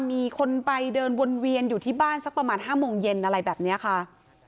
มีคนไปเดินวนเวียนอยู่ที่บ้านสักประมาณ๕โมงเย็นอะไรแบบนี้ค่ะ